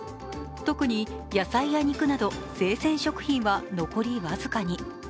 特に野菜や肉など生鮮食品は残り僅かに。